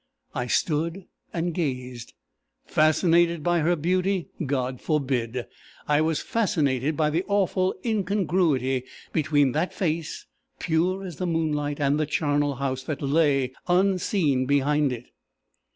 I stood and gazed. Fascinated by her beauty? God forbid! I was fascinated by the awful incongruity between that face, pure as the moonlight, and the charnel house that lay unseen behind it.